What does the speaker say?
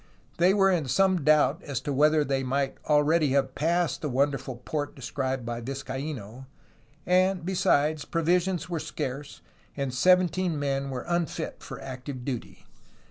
They were in some doubt as to whether they might already have passed the wonderful port described by Vizcaino, and, besides, provisions were scarce and seventeen men were unfit for active duty.